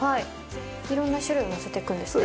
いろんな種類を載せてくんですね。